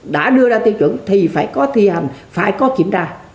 đã đưa ra tiêu chuẩn thì phải có thi hành phải có kiểm tra